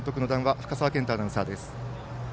深澤健太アナウンサーです。